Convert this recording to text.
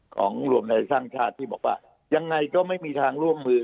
ของรวมไทยสร้างชาติที่บอกว่ายังไงก็ไม่มีทางร่วมมือ